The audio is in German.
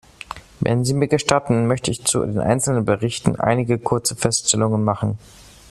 Wenn Sie mir gestatten, möchte ich zu den einzelnen Berichten einige kurze Feststellungen machen.